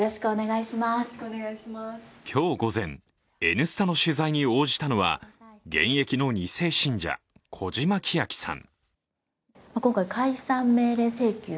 今日午前、「Ｎスタ」の取材に応じたのは現役の２世信者、小嶌希晶さん。